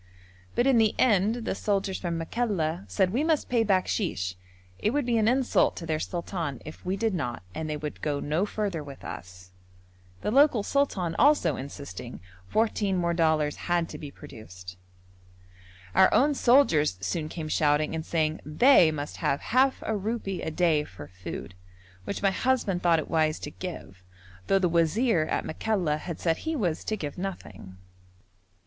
But, in the end, the soldiers from Makalla said we must pay bakshish: it would be an insult to their sultan if we did not and they would go no further with us. The local sultan also insisting, fourteen more dollars had to be produced. Our own soldiers soon came shouting and saying they must have half a rupee a day for food, which my husband thought it wise to give, though the wazir at Makalla had said he was to give nothing.